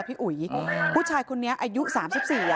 พี่อุ๋ยอ่าผู้ชายคนนี้อายุสามสิบสี่อ่ะ